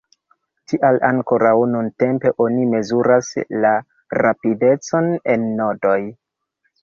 Tial ankoraŭ nuntempe oni mezuras la rapidecon en nodoj.